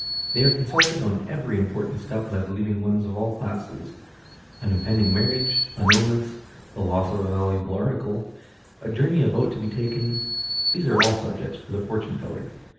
They are consulted on every important step by believing ones of all classes. An impending marriage, an illness, the loss of any valuable article, a journey about to be taken, these are all subjects for the fortune teller.